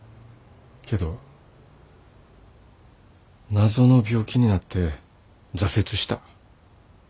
けど謎の病気になって挫折した。